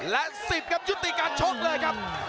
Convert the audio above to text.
และ๑๐ครับยุติการชกเลยครับ